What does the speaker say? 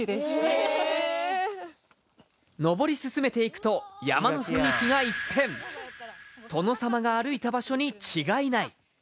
へえのぼり進めていくと山の雰囲気が一変殿様が歩いた場所に違いない